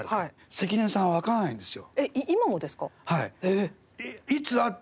関根さんは分からないんですよ。